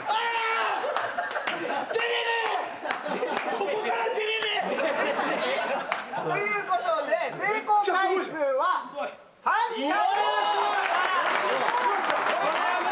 ここから出れねえ。ということで成功回数は３回。